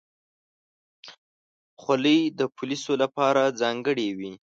خولۍ د پولیسو لپاره ځانګړې وي.